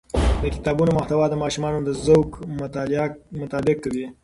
د کتابونو محتوا د ماشومانو د ذوق مطابق وي.